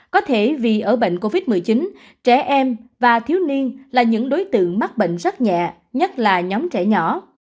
có thể vì ở bệnh covid một mươi chín trẻ em và thiếu niên là những đối tượng mắc bệnh rất nhẹ nhất là nhóm trẻ nhỏ